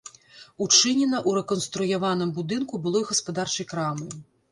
Учынена ў рэканструяваным будынку былой гаспадарчай крамы.